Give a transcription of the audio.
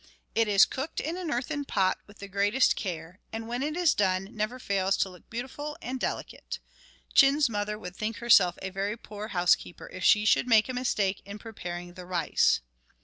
It is cooked in an earthen pot with the greatest care, and, when it is done, never fails to look beautiful and delicate. Chin's mother would think herself a very poor housekeeper if she should make a mistake in preparing the rice.